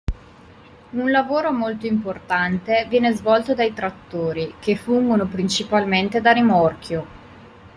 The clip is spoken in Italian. Un lavoro molto importante viene svolto dai trattori, che fungono principalmente da rimorchio.